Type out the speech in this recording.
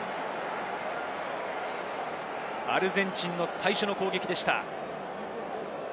アルゼンチンの最初の攻撃でした。